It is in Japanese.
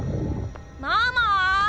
ママ。